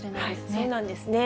そうなんですね。